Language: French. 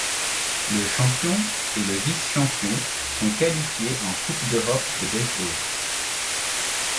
Le champion et le vice-champion sont qualifiés en Coupe d'Europe de baseball.